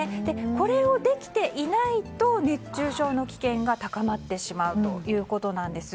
これをできていないと熱中症の危険が高まってしまうということなんです。